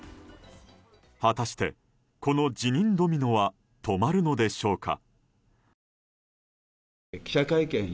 果たして、この辞任ドミノは止まるのでしょうか。